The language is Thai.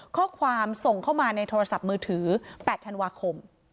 ข้อความส่งเข้ามาในโทรศัพท์มือถือ๘ธันวาคม